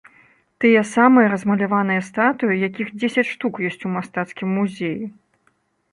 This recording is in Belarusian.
Тыя самыя размаляваныя статуі, якіх дзесяць штук ёсць у мастацкім музеі!